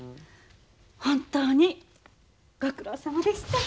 本当にご苦労さまでした。